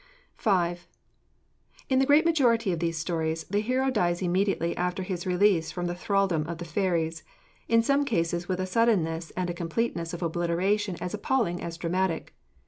V. In the great majority of these stories the hero dies immediately after his release from the thraldom of the fairies in some cases with a suddenness and a completeness of obliteration as appalling as dramatic.